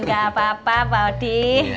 nggak apa apa pau de